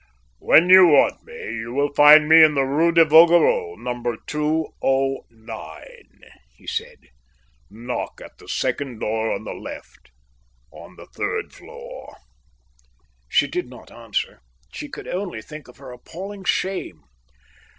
"When you want me you will find me in the Rue de Vaugiraud, number 209," he said. "Knock at the second door on the left, on the third floor." She did not answer. She could only think of her appalling shame.